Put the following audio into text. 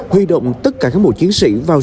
huy động tất cả các mùa chiến sĩ vào